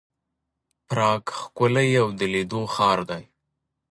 پراګ ښکلی او د لیدلو ښار دی.